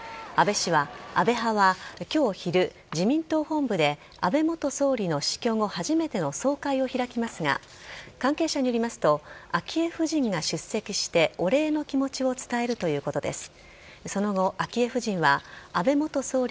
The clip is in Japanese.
安倍派は今日昼、自民党本部で安倍元総理の死去後初めての総会を開きますが関係者によりますと昭恵夫人が出席してお礼の気持ちを伝えるということです。